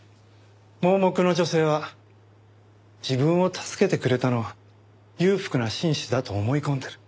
盲目の女性は自分を助けてくれたのは裕福な紳士だと思い込んでいる。